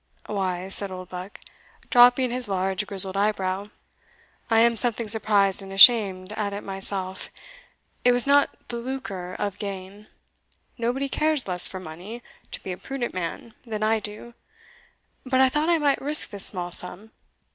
"Why," said Oldbuck, dropping his large grizzled eyebrow, "I am something surprised and ashamed at it myself; it was not the lucre of gain nobody cares less for money (to be a prudent man) than I do but I thought I might risk this small sum.